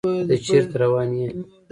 ته چيرته روان يې